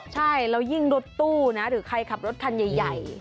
ใช่แล้วยิ่งรถตู้นะหรือใครขับรถคันใหญ่